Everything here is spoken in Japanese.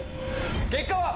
結果は？